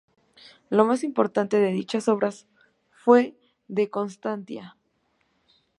La más importante de dichas obras fue "De constantia".